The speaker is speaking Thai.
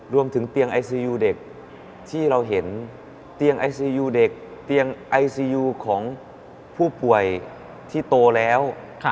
รวมถึงเตียงไอซียูเด็กที่เราเห็นเตียงไอซียูเด็กเตียงไอซียูของผู้ป่วยที่โตแล้ว